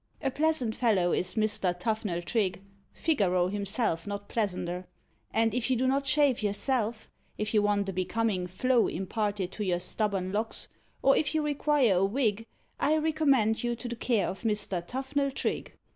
A pleasant fellow is Mr. Tuffnell Trigge Figaro himself not pleasanter and if you do not shave yourself if you want a becoming flow imparted to your stubborn locks, or if you require a wig, I recommend you to the care of Mr. Tuffnell Trigge.